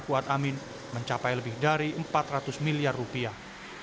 kuat amin mencapai lebih dari empat ratus miliar rupiah